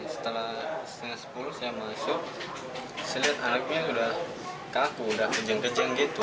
setelah setengah sepuluh saya masuk saya lihat anaknya udah kaku udah kejang kejang gitu